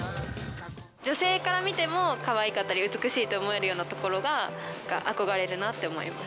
女性から見てもかわいかったり、美しいと思えるようなところが、憧れるなと思います。